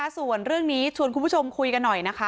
ส่วนคุณผู้ชมคุยกันหน่อยนะคะ